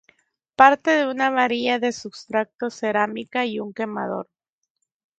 Parte de una varilla de substrato cerámica y un quemador.